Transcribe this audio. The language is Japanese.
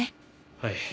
はい。